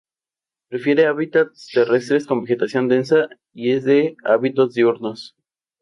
Prefiere hábitats terrestres con vegetación densa y es de hábitos diurnos.